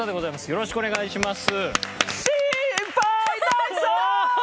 よろしくお願いします。